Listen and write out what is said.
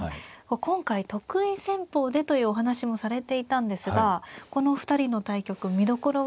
今回得意戦法でというお話もされていたんですがこのお二人の対局見どころはどの辺りでしょうか。